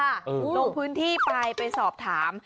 ลงพื้นที่ไปไปสอบถาม